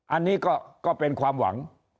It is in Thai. อันนี้ก็เป็นความหวัง